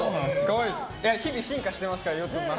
日々進化していますから。